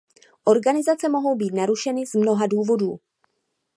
Organizace mohou být narušeny z mnoha důvodů.